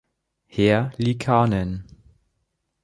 Herr Liikanen!